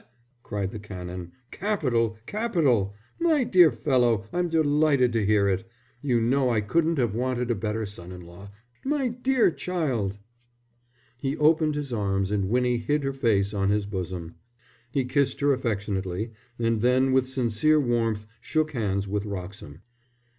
cried the Canon. "Capital! Capital! My dear fellow, I'm delighted to hear it. You know I couldn't have wanted a better son in law. My dear child!" He opened his arms and Winnie hid her face on his bosom. He kissed her affectionately, and then with sincere warmth shook hands with Wroxham.